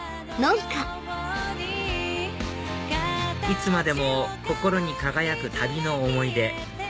いつまでも心に輝く旅の思い出